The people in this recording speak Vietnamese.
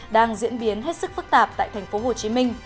đang diễn biến hết sức phức tạp tại tp hcm